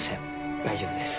大丈夫です